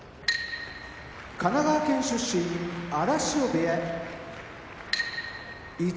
神奈川県出身荒汐部屋一